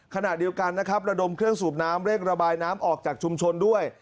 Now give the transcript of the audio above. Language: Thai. ขณะเดียวกันนะครับระดมเครื่องสูบน้ำเร่งระบายน้ำออกจากชุมชนด้วย